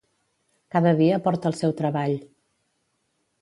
Cada dia porta el seu treball.